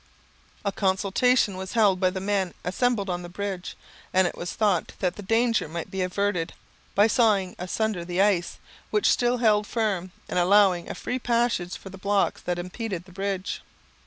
A consultation was held by the men assembled on the bridge, and it was thought that the danger might be averted by sawing asunder the ice, which still held firm, and allowing a free passage for the blocks that impeded the bridge.